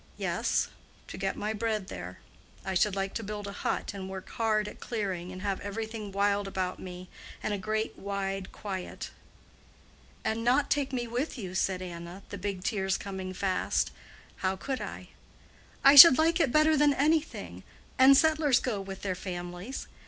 "Yes, to get my bread there. I should like to build a hut, and work hard at clearing, and have everything wild about me, and a great wide quiet." "And not take me with you?" said Anna, the big tears coming fast. "How could I?" "I should like it better than anything; and settlers go with their families.